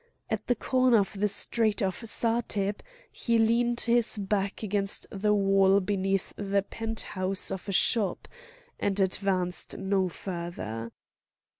At the corner of the street of Satheb he leaned his back against the wall beneath the pent house of a shop, and advanced no further.